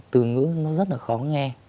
từ ngữ nó rất là khó nghe